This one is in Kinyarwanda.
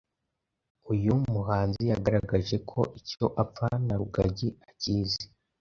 uyu muhanzi yagaragaje ko icyo apfa na rugagi akizi